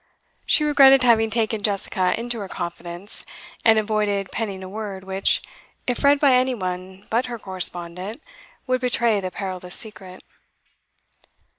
She regretted having taken Jessica into her confidence, and avoided penning a word which, if read by any one but her correspondent, would betray the perilous secret.